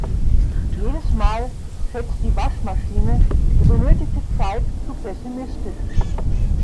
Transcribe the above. Jedes Mal schätzt die Waschmaschine die benötigte Zeit zu pessimistisch.